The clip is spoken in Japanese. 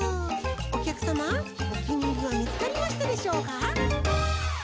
おきゃくさまおきにいりはみつかりましたでしょうか？